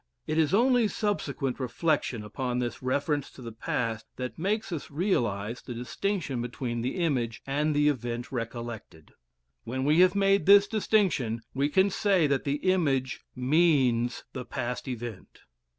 It is only subsequent reflection upon this reference to the past that makes us realize the distinction between the image and the event recollected. When we have made this distinction, we can say that the image "means" the past event.